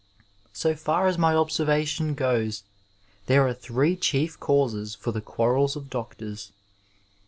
So far as my observation goes there are three chief causes for the quarrels of doctors.